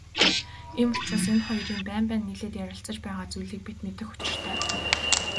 Ийм учраас энэ хоёрын байн байн нийлээд ярилцаж байгаа зүйлийг бид мэдэх учиртай.